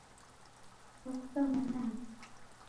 kwaw'uka mana apa?